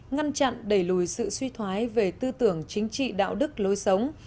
ngăn chặn đẩy lùi sự suy thoái về tư tưởng chính trị đạo đức lối sống